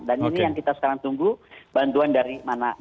dan ini yang kita sekarang tunggu bantuan dari mana mana saja itu